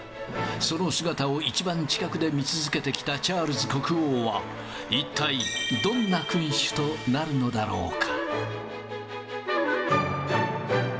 その姿を一番近くで見続けてきたチャールズ国王は、一体どんな君主となるのだろうか。